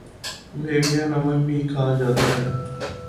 بحیرہ نمک بھی کہا جاتا ہے